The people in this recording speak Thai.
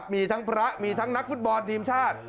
มีทั้งพระมีทั้งนักฟุตบอลทีมชาติ